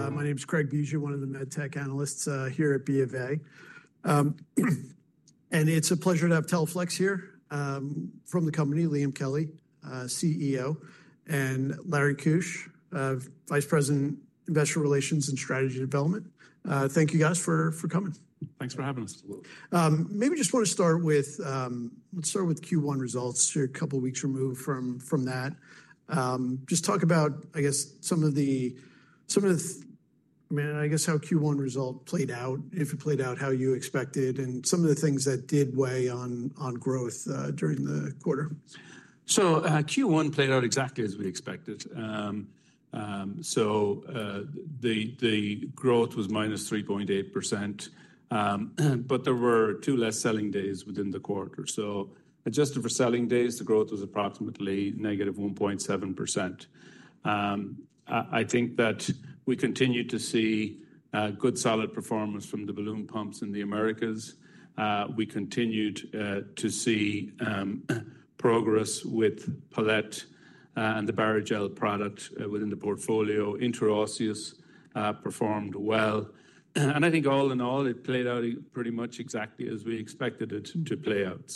My name is Craig Bijou, one of the Med Tech Analysts here at BofA. It is a pleasure to have Teleflex here from the company, Liam Kelly, CEO, and Larry Keusch, Vice President, Investor Relations and Strategy Development. Thank you, guys, for coming. Thanks for having us. Maybe just want to start with, let's start with Q1 results a couple of weeks removed from that. Just talk about, I guess, some of the, I mean, I guess how Q1 result played out, if it played out how you expected, and some of the things that did weigh on growth during the quarter. Q1 played out exactly as we expected. The growth was -3.8%, but there were two less selling days within the quarter. Adjusted for selling days, the growth was approximately -1.7%. I think that we continued to see good solid performance from the balloon pumps in the Americas. We continued to see progress with Palette and the Barrigel product within the portfolio. Intraosseous performed well. I think all in all, it played out pretty much exactly as we expected it to play out.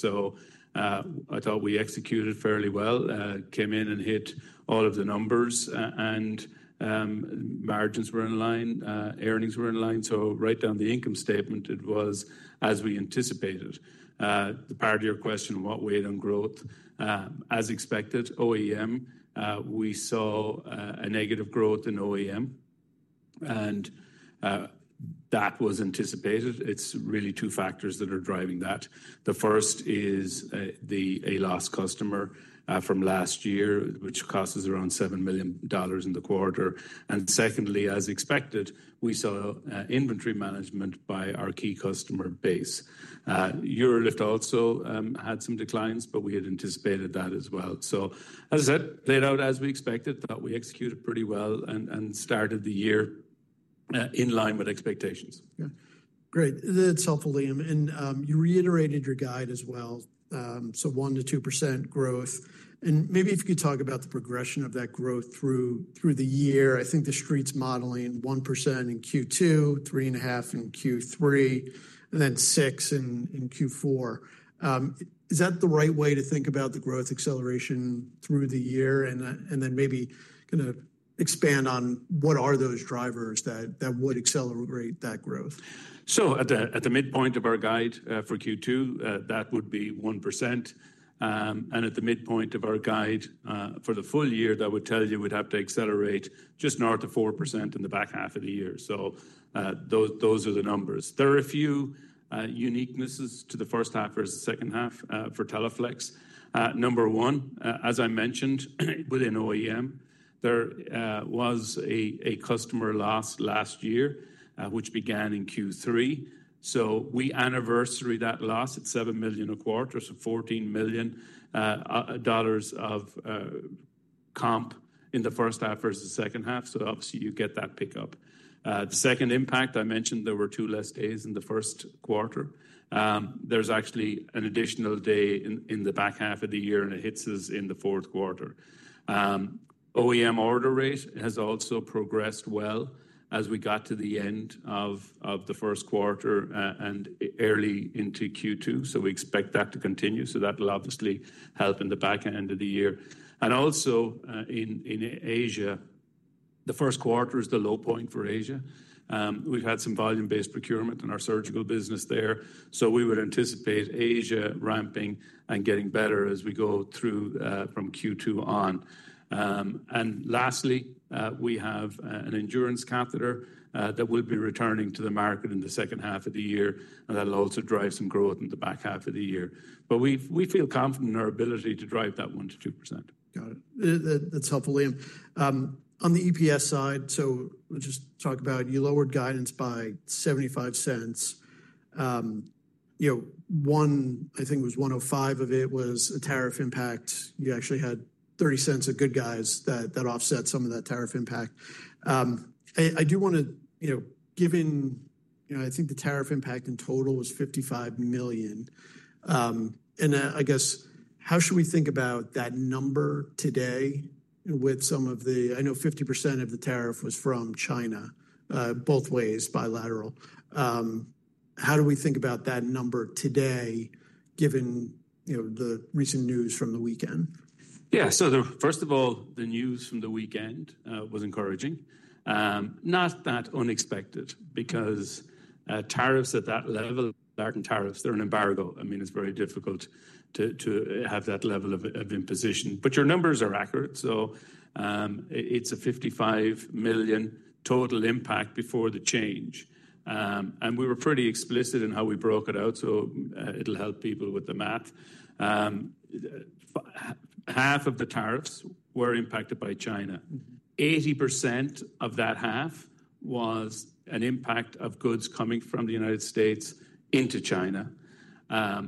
I thought we executed fairly well, came in and hit all of the numbers, and margins were in line, earnings were in line. Right down the income statement, it was as we anticipated. The part of your question, what weighed on growth? As expected, OEM, we saw a negative growth in OEM, and that was anticipated. It's really two factors that are driving that. The first is the ALOS customer from last year, which cost us around $7 million in the quarter. Secondly, as expected, we saw inventory management by our key customer base. UroLift also had some declines, but we had anticipated that as well. As I said, played out as we expected, thought we executed pretty well and started the year in line with expectations. Yeah. Great. That's helpful, Liam. You reiterated your guide as well. 1%-2% growth. Maybe if you could talk about the progression of that growth through the year. I think the Street's modeling 1% in Q2, 3.5% in Q3, and 6% in Q4. Is that the right way to think about the growth acceleration through the year? Maybe kind of expand on what are those drivers that would accelerate that growth? At the midpoint of our guide for Q2, that would be 1%. At the midpoint of our guide for the full year, that would tell you we'd have to accelerate just north of 4% in the back half of the year. Those are the numbers. There are a few uniquenesses to the first half versus the second half for Teleflex. Number one, as I mentioned, within OEM, there was a customer loss last year, which began in Q3. We anniversary that loss at $7 million a quarter, so $14 million of comp in the first half versus the second half. Obviously, you get that pickup. The second impact, I mentioned there were two less days in the first quarter. There's actually an additional day in the back half of the year, and it hits us in the fourth quarter. OEM order rate has also progressed well as we got to the end of the first quarter and early into Q2. We expect that to continue. That will obviously help in the back end of the year. In Asia, the first quarter is the low point for Asia. We've had some volume-based procurement in our surgical business there. We would anticipate Asia ramping and getting better as we go through from Q2 on. Lastly, we have an Endurance catheter that will be returning to the market in the second half of the year. That will also drive some growth in the back half of the year. We feel confident in our ability to drive that 1%-2%. Got it. That's helpful, Liam. On the EPS side, let's just talk about you lowered guidance by $0.75. One, I think it was $1.05 of it was a tariff impact. You actually had $0.30 of good guys that offset some of that tariff impact. I do want to, given I think the tariff impact in total was $55 million. And I guess, how should we think about that number today with some of the, I know 50% of the tariff was from China, both ways, bilateral. How do we think about that number today, given the recent news from the weekend? Yeah. First of all, the news from the weekend was encouraging. Not that unexpected because tariffs at that level, American tariffs, they're an embargo. I mean, it's very difficult to have that level of imposition. Your numbers are accurate. It's a $55 million total impact before the change. We were pretty explicit in how we broke it out. It'll help people with the math. Half of the tariffs were impacted by China. 80% of that half was an impact of goods coming from the United States into China,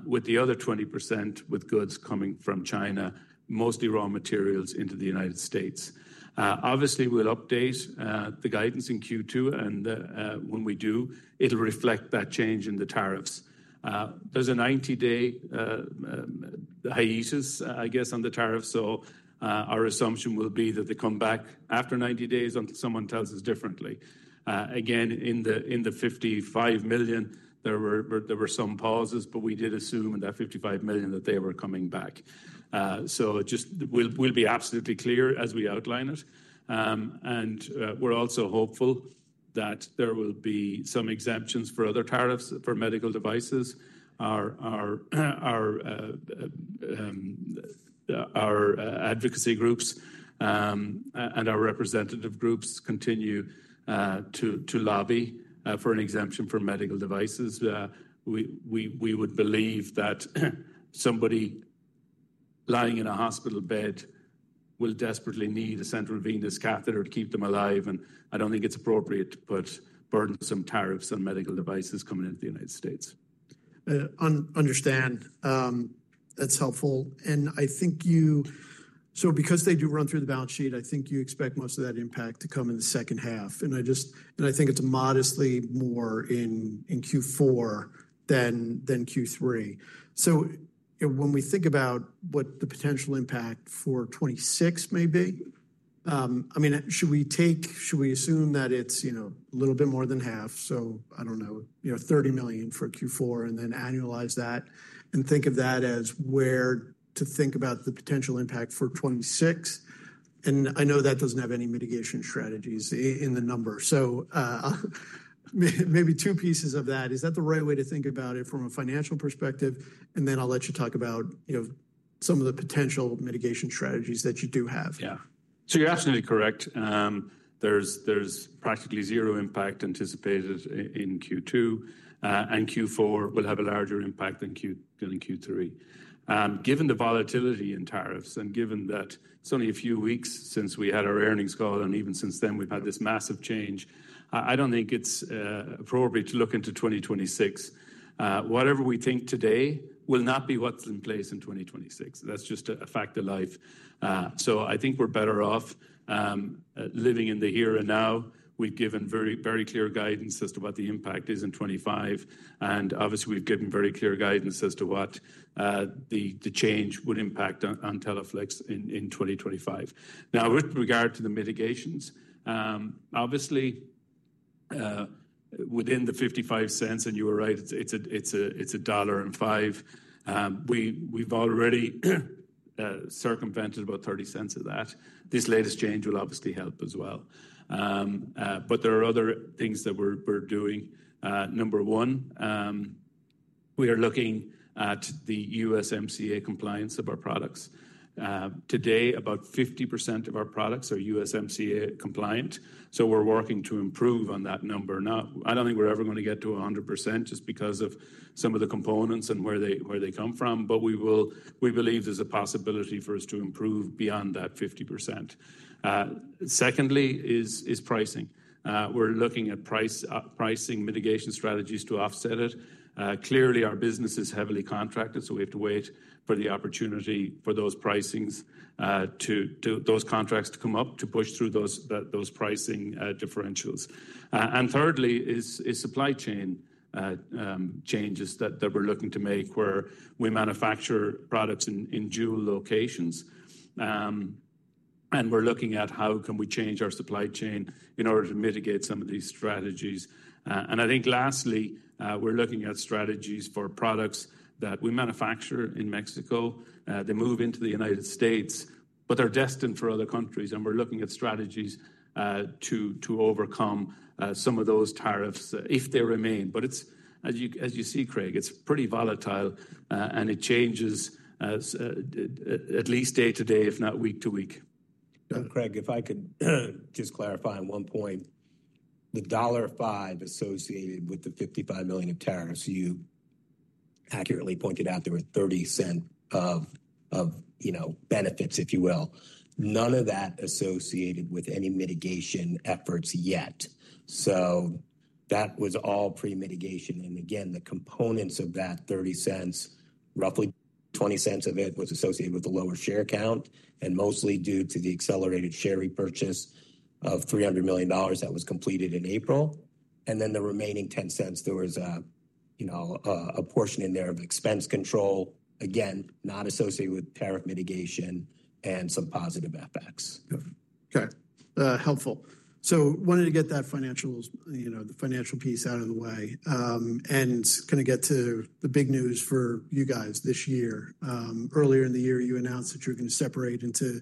with the other 20% with goods coming from China, mostly raw materials into the United States. Obviously, we'll update the guidance in Q2. When we do, it'll reflect that change in the tariffs. There's a 90-day hiatus, I guess, on the tariffs. Our assumption will be that they come back after 90 days until someone tells us differently. Again, in the $55 million, there were some pauses, but we did assume in that $55 million that they were coming back. We'll be absolutely clear as we outline it. We're also hopeful that there will be some exemptions for other tariffs for medical devices. Our advocacy groups and our representative groups continue to lobby for an exemption for medical devices. We would believe that somebody lying in a hospital bed will desperately need a central venous catheter to keep them alive. I don't think it's appropriate to put burdensome tariffs on medical devices coming into the United States. Understand. That's helpful. I think you, so because they do run through the balance sheet, I think you expect most of that impact to come in the second half. I think it's modestly more in Q4 than Q3. When we think about what the potential impact for 2026 may be, I mean, should we assume that it's a little bit more than half? I don't know, $30 million for Q4, and then annualize that and think of that as where to think about the potential impact for 2026. I know that doesn't have any mitigation strategies in the number. Maybe two pieces of that. Is that the right way to think about it from a financial perspective? I'll let you talk about some of the potential mitigation strategies that you do have. Yeah. You are absolutely correct. There is practically zero impact anticipated in Q2. Q4 will have a larger impact than Q3. Given the volatility in tariffs and given that it is only a few weeks since we had our earnings call, and even since then we have had this massive change, I do not think it is appropriate to look into 2026. Whatever we think today will not be what is in place in 2026. That is just a fact of life. I think we are better off living in the here and now. We have given very clear guidance as to what the impact is in 2025. Obviously, we have given very clear guidance as to what the change would impact on Teleflex in 2025. Now, with regard to the mitigations, obviously, within the $0.55, and you were right, it is $1.05. We have already circumvented about $0.30 of that. This latest change will obviously help as well. There are other things that we're doing. Number one, we are looking at the USMCA compliance of our products. Today, about 50% of our products are USMCA compliant. We're working to improve on that number. I don't think we're ever going to get to 100% just because of some of the components and where they come from. We believe there's a possibility for us to improve beyond that 50%. Secondly is pricing. We're looking at pricing mitigation strategies to offset it. Clearly, our business is heavily contracted, so we have to wait for the opportunity for those contracts to come up to push through those pricing differentials. Thirdly is supply chain changes that we're looking to make where we manufacture products in dual locations. We are looking at how can we change our supply chain in order to mitigate some of these strategies. I think lastly, we are looking at strategies for products that we manufacture in Mexico. They move into the United States, but they are destined for other countries. We are looking at strategies to overcome some of those tariffs if they remain. As you see, Craig, it is pretty volatile, and it changes at least day to day, if not week to week. Craig, if I could just clarify on one point, the $1.05 associated with the $55 million of tariffs, you accurately pointed out there were $0.30 of benefits, if you will. None of that associated with any mitigation efforts yet. That was all pre-mitigation. The components of that $0.30, roughly $0.20 of it was associated with the lower share count, and mostly due to the accelerated share repurchase of $300 million that was completed in April. The remaining $0.10, there was a portion in there of expense control, again, not associated with tariff mitigation and some positive effects. Okay. Helpful. Wanted to get that financial piece out of the way and kind of get to the big news for you guys this year. Earlier in the year, you announced that you're going to separate into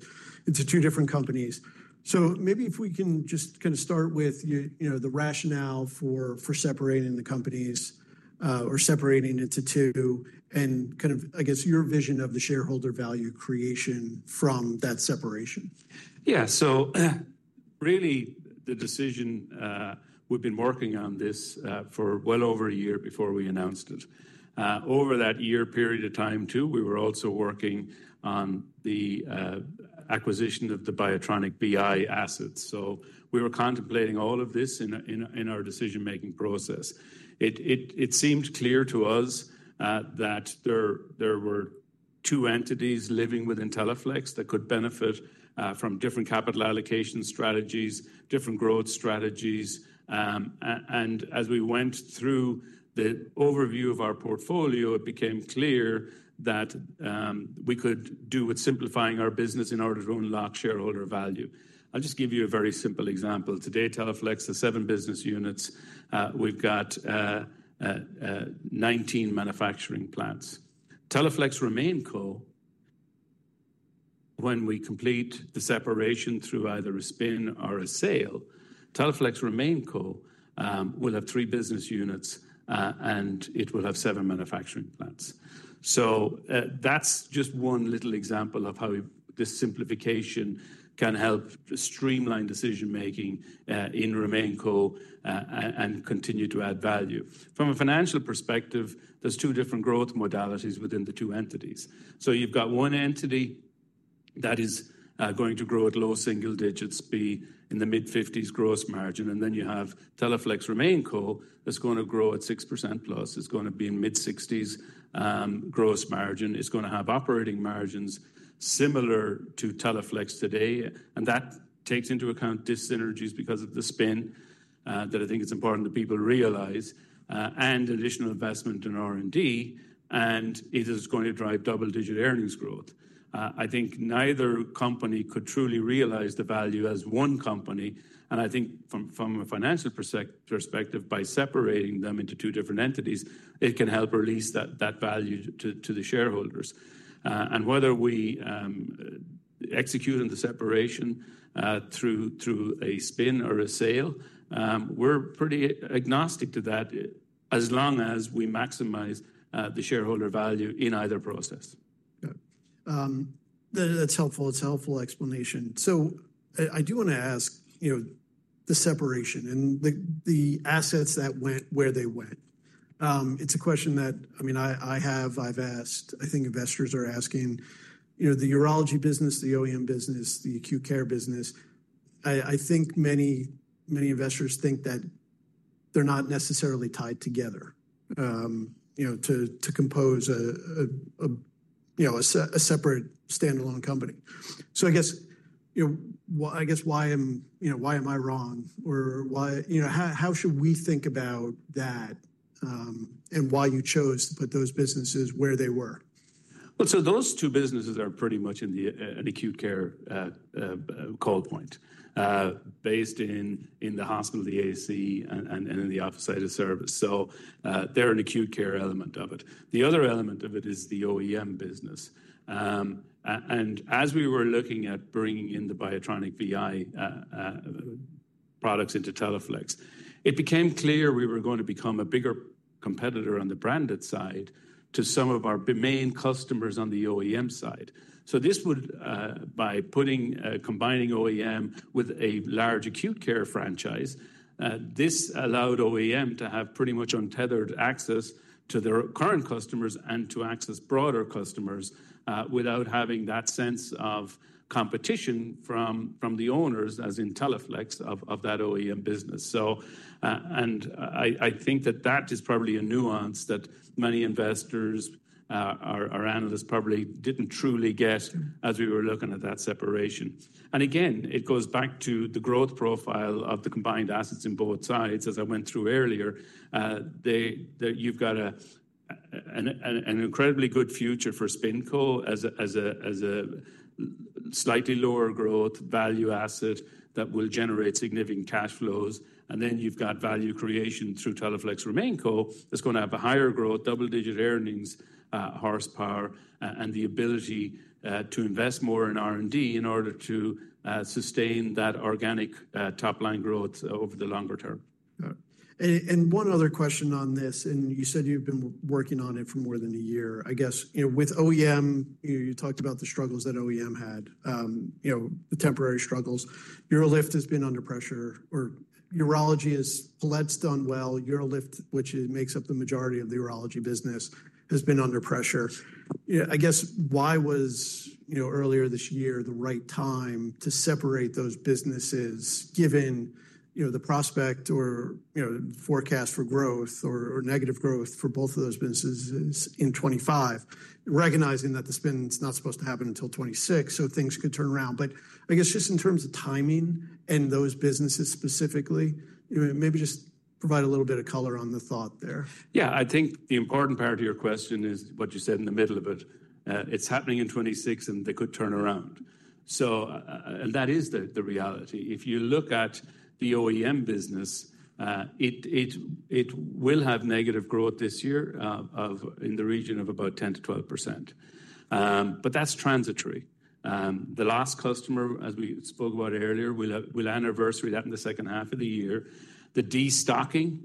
two different companies. Maybe if we can just kind of start with the rationale for separating the companies or separating into two and kind of, I guess, your vision of the shareholder value creation from that separation. Yeah. So really, the decision, we've been working on this for well over a year before we announced it. Over that year period of time too, we were also working on the acquisition of the Biotronik BI assets. So we were contemplating all of this in our decision-making process. It seemed clear to us that there were two entities living within Teleflex that could benefit from different capital allocation strategies, different growth strategies. As we went through the overview of our portfolio, it became clear that we could do with simplifying our business in order to unlock shareholder value. I'll just give you a very simple example. Today, Teleflex has seven business units. We've got 19 manufacturing plants. Teleflex RemainCo when we complete the separation through either a spin or a sale, Teleflex RemainCo will have three business units, and it will have seven manufacturing plants. That's just one little example of how this simplification can help streamline decision-making in RemainCo and continue to add value. From a financial perspective, there's two different growth modalities within the two entities. You've got one entity that is going to grow at low single digits, be in the mid-50s gross margin. Then you have Teleflex RemainCo that's going to grow at 6% plus. It's going to be in mid-60s gross margin. It's going to have operating margins similar to Teleflex today. That takes into account disynergies because of the spin that I think it's important that people realize and additional investment in R&D. It is going to drive double-digit earnings growth. I think neither company could truly realize the value as one company. I think from a financial perspective, by separating them into two different entities, it can help release that value to the shareholders. Whether we execute on the separation through a spin or a sale, we're pretty agnostic to that as long as we maximize the shareholder value in either process. That's helpful. It's a helpful explanation. I do want to ask the separation and the assets that went where they went. It's a question that, I mean, I have, I've asked, I think investors are asking, the urology business, the OEM business, the acute care business. I think many investors think that they're not necessarily tied together to compose a separate standalone company. I guess, I guess why am I wrong or how should we think about that and why you chose to put those businesses where they were? Those two businesses are pretty much in the acute care call point based in the hospital, the AC, and in the office side of service. They are an acute care element of it. The other element of it is the OEM business. As we were looking at bringing in the Biotronik BI products into Teleflex, it became clear we were going to become a bigger competitor on the branded side to some of our main customers on the OEM side. By combining OEM with a large acute care franchise, this allowed OEM to have pretty much untethered access to their current customers and to access broader customers without having that sense of competition from the owners, as in Teleflex, of that OEM business. I think that that is probably a nuance that many investors, our analysts probably did not truly get as we were looking at that separation. It goes back to the growth profile of the combined assets in both sides. As I went through earlier, you have got an incredibly good future for SpinCo as a slightly lower growth value asset that will generate significant cash flows. You have got value creation through Teleflex RemainCo that is going to have a higher growth, double-digit earnings, horsepower, and the ability to invest more in R&D in order to sustain that organic top-line growth over the longer term. One other question on this, you said you've been working on it for more than a year. I guess with OEM, you talked about the struggles that OEM had, the temporary struggles. UroLift has been under pressure, or urology is, Palette's done well. UroLift, which makes up the majority of the urology business, has been under pressure. I guess why was earlier this year the right time to separate those businesses given the prospect or forecast for growth or negative growth for both of those businesses in 2025, recognizing that the spin's not supposed to happen until 2026, so things could turn around. I guess just in terms of timing and those businesses specifically, maybe just provide a little bit of color on the thought there. Yeah, I think the important part of your question is what you said in the middle of it. It's happening in 2026, and they could turn around. That is the reality. If you look at the OEM business, it will have negative growth this year in the region of about 10-12%. That's transitory. The last customer, as we spoke about earlier, will anniversary that in the second half of the year. The destocking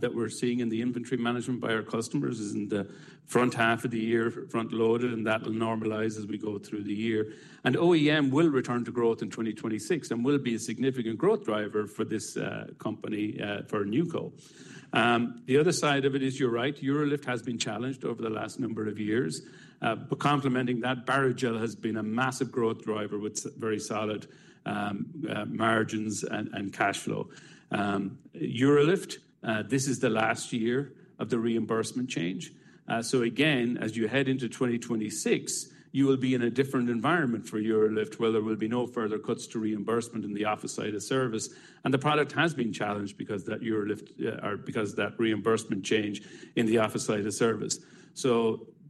that we're seeing in the inventory management by our customers is in the front half of the year, front-loaded, and that will normalize as we go through the year. OEM will return to growth in 2026 and will be a significant growth driver for this company, for NewCo. The other side of it is you're right, UroLift has been challenged over the last number of years. Complementing that, Barrigel has been a massive growth driver with very solid margins and cash flow. UroLift, this is the last year of the reimbursement change. As you head into 2026, you will be in a different environment for UroLift where there will be no further cuts to reimbursement in the office side of service. The product has been challenged because of that reimbursement change in the office side of service.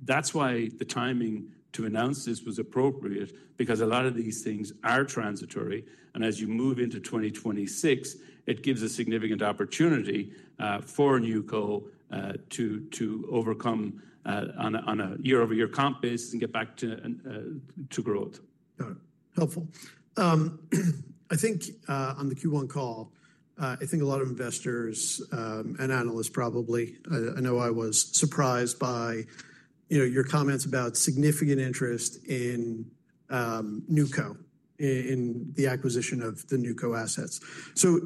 That is why the timing to announce this was appropriate because a lot of these things are transitory. As you move into 2026, it gives a significant opportunity for NewCo to overcome on a year-over-year comp basis and get back to growth. Helpful. I think on the Q1 call, I think a lot of investors and analysts probably, I know I was surprised by your comments about significant interest in NewCo in the acquisition of the NewCo assets.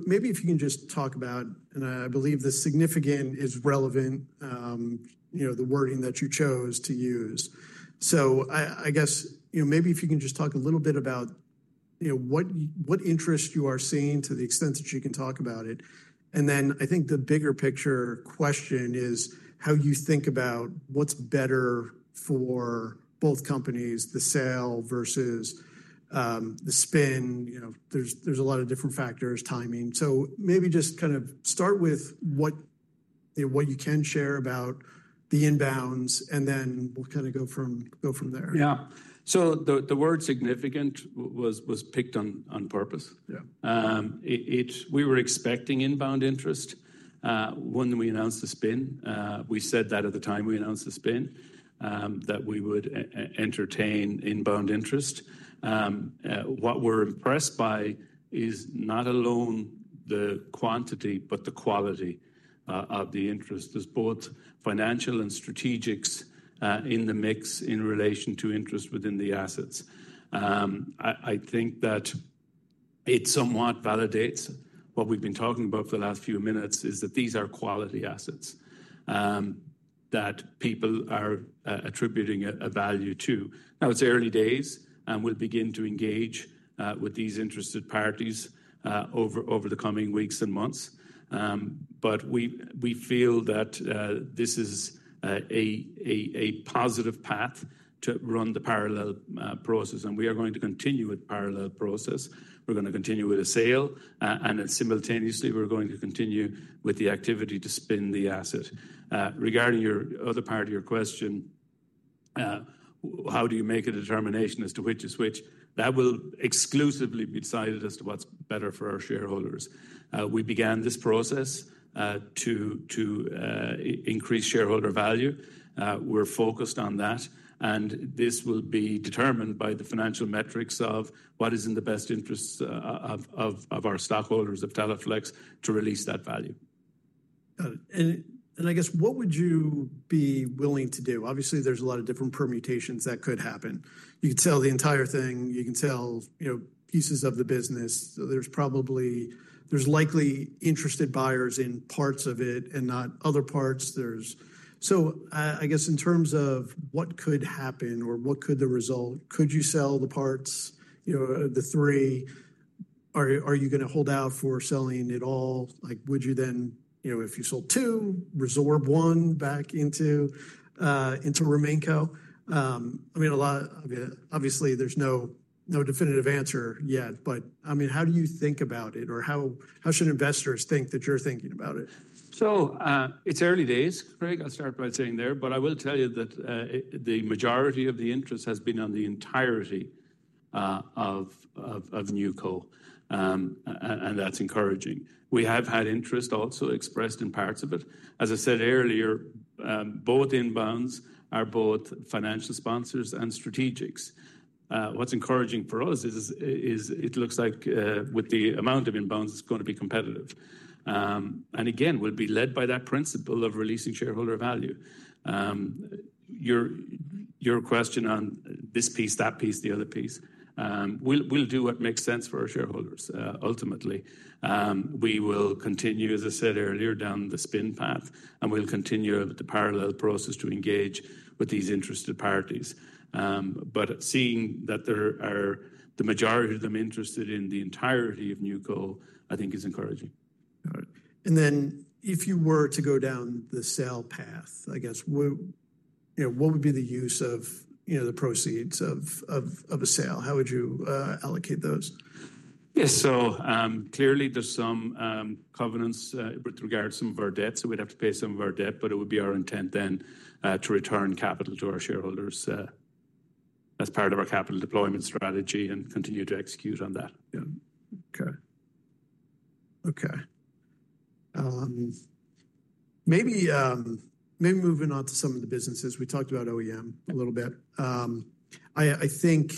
Maybe if you can just talk about, and I believe the significant is relevant, the wording that you chose to use. I guess maybe if you can just talk a little bit about what interest you are seeing to the extent that you can talk about it. I think the bigger picture question is how you think about what's better for both companies, the sale versus the spin. There are a lot of different factors, timing. Maybe just kind of start with what you can share about the inbounds, and then we'll kind of go from there. Yeah. The word significant was picked on purpose. We were expecting inbound interest. When we announced the spin, we said that at the time we announced the spin that we would entertain inbound interest. What we're impressed by is not alone the quantity, but the quality of the interest. There's both financial and strategics in the mix in relation to interest within the assets. I think that it somewhat validates what we've been talking about for the last few minutes is that these are quality assets that people are attributing a value to. Now it's early days, and we'll begin to engage with these interested parties over the coming weeks and months. We feel that this is a positive path to run the parallel process. We are going to continue with parallel process. We're going to continue with a sale. Simultaneously, we're going to continue with the activity to spin the asset. Regarding your other part of your question, how do you make a determination as to which is which? That will exclusively be decided as to what's better for our shareholders. We began this process to increase shareholder value. We're focused on that. This will be determined by the financial metrics of what is in the best interest of our stockholders of Teleflex to release that value. I guess what would you be willing to do? Obviously, there's a lot of different permutations that could happen. You could sell the entire thing. You can sell pieces of the business. There's likely interested buyers in parts of it and not other parts. I guess in terms of what could happen or what could the result, could you sell the parts, the three? Are you going to hold out for selling it all? Would you then, if you sold two, resorb one back into RemainCo? I mean, obviously, there's no definitive answer yet. I mean, how do you think about it? Or how should investors think that you're thinking about it? It's early days, Craig, I'll start by saying there. I will tell you that the majority of the interest has been on the entirety of NewCo. That's encouraging. We have had interest also expressed in parts of it. As I said earlier, both inbounds are both financial sponsors and strategics. What's encouraging for us is it looks like with the amount of inbounds, it's going to be competitive. Again, we'll be led by that principle of releasing shareholder value. Your question on this piece, that piece, the other piece, we'll do what makes sense for our shareholders, ultimately. We will continue, as I said earlier, down the spin path. We'll continue with the parallel process to engage with these interested parties. Seeing that the majority of them interested in the entirety of NewCo, I think is encouraging. If you were to go down the sale path, I guess, what would be the use of the proceeds of a sale? How would you allocate those? Yes. Clearly, there are some covenants with regard to some of our debts. We'd have to pay some of our debt, but it would be our intent then to return capital to our shareholders as part of our capital deployment strategy and continue to execute on that. Okay. Okay. Maybe moving on to some of the businesses. We talked about OEM a little bit. I think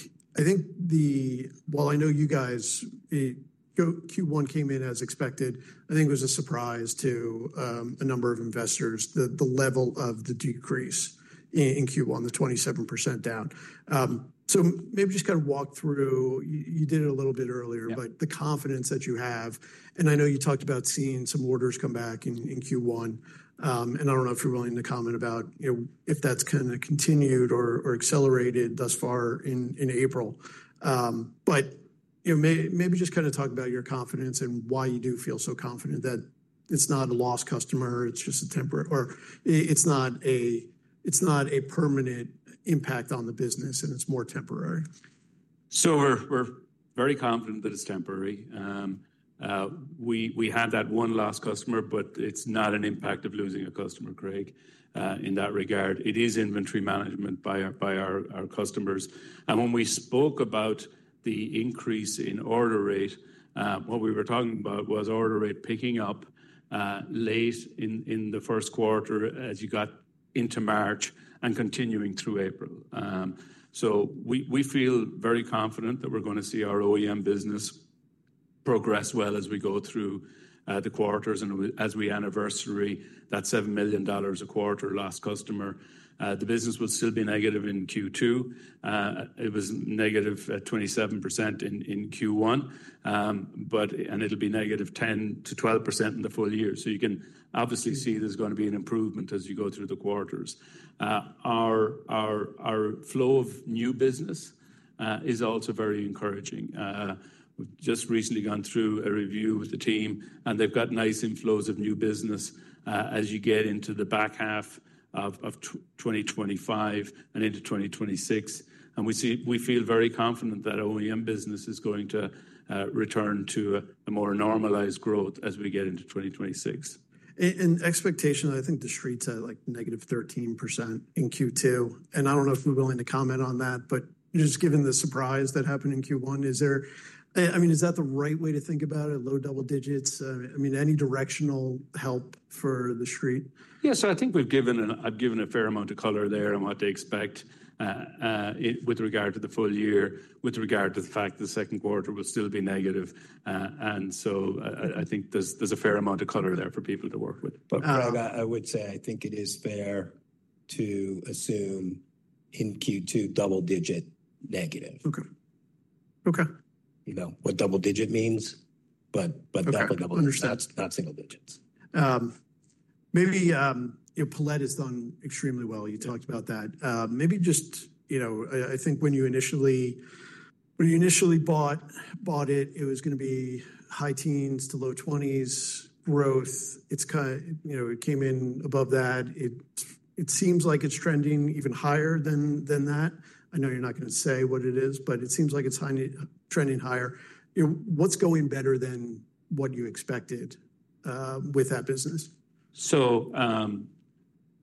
while I know you guys, Q1 came in as expected, I think it was a surprise to a number of investors, the level of the decrease in Q1, the 27% down. Maybe just kind of walk through, you did it a little bit earlier, the confidence that you have. I know you talked about seeing some orders come back in Q1. I do not know if you are willing to comment about if that has kind of continued or accelerated thus far in April. Maybe just kind of talk about your confidence and why you do feel so confident that it is not a lost customer, it is just a temporary, or it is not a permanent impact on the business, and it is more temporary. We're very confident that it's temporary. We have that one lost customer, but it's not an impact of losing a customer, Craig, in that regard. It is inventory management by our customers. When we spoke about the increase in order rate, what we were talking about was order rate picking up late in the first quarter as you got into March and continuing through April. We feel very confident that we're going to see our OEM business progress well as we go through the quarters and as we anniversary that $7 million a quarter lost customer. The business will still be negative in Q2. It was negative 27% in Q1, and it'll be negative 10-12% in the full year. You can obviously see there's going to be an improvement as you go through the quarters. Our flow of new business is also very encouraging. We've just recently gone through a review with the team, and they've got nice inflows of new business as you get into the back half of 2025 and into 2026. We feel very confident that OEM business is going to return to a more normalized growth as we get into 2026. Expectation, I think the street's are like negative 13% in Q2. I don't know if you're willing to comment on that, but just given the surprise that happened in Q1, is there, I mean, is that the right way to think about it? Low double digits? I mean, any directional help for the street? Yes. I think I've given a fair amount of color there on what to expect with regard to the full year, with regard to the fact that the second quarter will still be negative. I think there's a fair amount of color there for people to work with. I would say I think it is fair to assume in Q2, double digit negative. Okay. Okay. What double digit means, but definitely double digits. That's not single digits. Maybe Palette has done extremely well. You talked about that. Maybe just I think when you initially bought it, it was going to be high teens to low 20s growth. It came in above that. It seems like it's trending even higher than that. I know you're not going to say what it is, but it seems like it's trending higher. What's going better than what you expected with that business?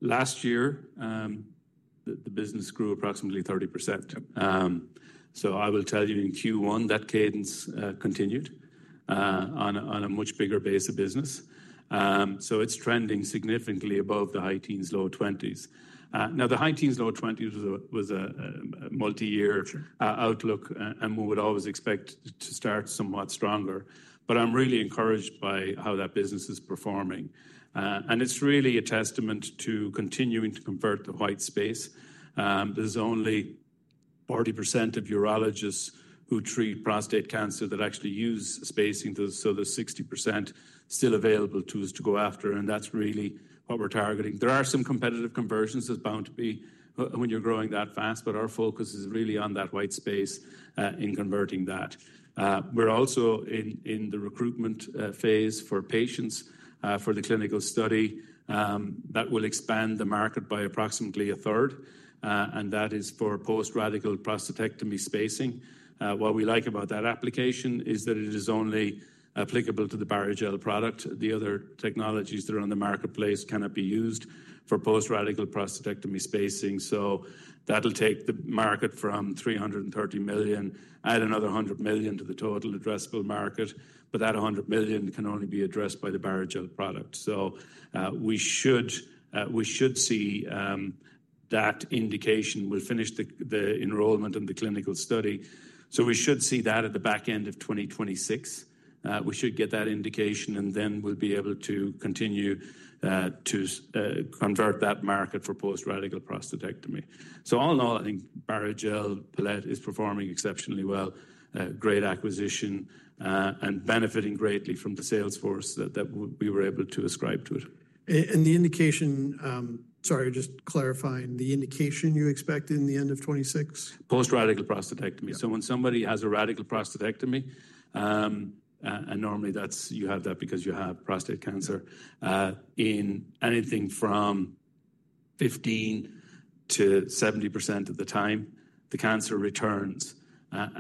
Last year, the business grew approximately 30%. I will tell you in Q1, that cadence continued on a much bigger base of business. It is trending significantly above the high teens, low 20%. Now, the high teens, low 20% was a multi-year outlook, and we would always expect to start somewhat stronger. I am really encouraged by how that business is performing. It is really a testament to continuing to convert the white space. There is only 40% of urologists who treat prostate cancer that actually use spacing. There is 60% still available to us to go after. That is really what we are targeting. There are some competitive conversions that are bound to be when you are growing that fast. Our focus is really on that white space in converting that. We're also in the recruitment phase for patients for the clinical study that will expand the market by approximately a third. That is for post-radical prostatectomy spacing. What we like about that application is that it is only applicable to the Barrigel product. The other technologies that are on the marketplace cannot be used for post-radical prostatectomy spacing. That will take the market from $330 million, add another $100 million to the total addressable market. That $100 million can only be addressed by the Barrigel product. We should see that indication. We'll finish the enrollment in the clinical study. We should see that at the back end of 2026. We should get that indication, and then we'll be able to continue to convert that market for post-radical prostatectomy. All in all, I think Barrigel Palette is performing exceptionally well. Great acquisition and benefiting greatly from the sales force that we were able to ascribe to it. The indication, sorry, just clarifying, the indication you expect in the end of 2026? Post-radical prostatectomy. When somebody has a radical prostatectomy, and normally you have that because you have prostate cancer, in anything from 15%-70% of the time, the cancer returns.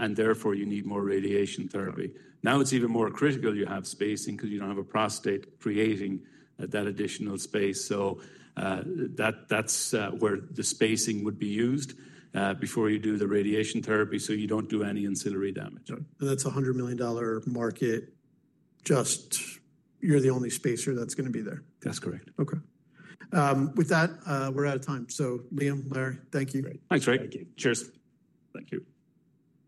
Therefore, you need more radiation therapy. Now it is even more critical you have spacing because you do not have a prostate creating that additional space. That is where the spacing would be used before you do the radiation therapy so you do not do any ancillary damage. That's a $100 million market. Just you're the only spacer that's going to be there. That's correct. Okay. With that, we're out of time. So Liam, Larry, thank you. Thanks, Craig. Thank you. Cheers. Thank you.